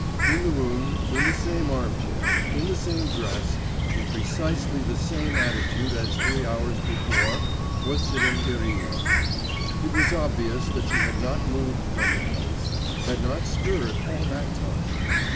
In the room, in the same armchair, in the same dress, in precisely the same attitude as three hours before, was sitting Irina.... It was obvious that she had not moved from the place, had not stirred all that time.